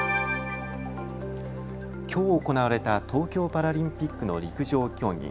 きょう行われた東京パラリンピックの陸上競技。